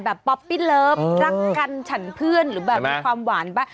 ป๊อปปี้เลิฟรักกันฉันเพื่อนหรือแบบมีความหวานป่ะ